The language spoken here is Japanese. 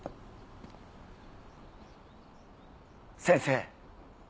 先生。